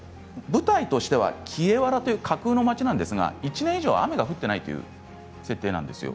舞台としてはキエワラという架空の町で１年以上雨が降っていないという設定なんです。